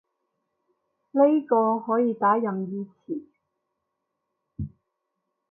呢個可以打任意詞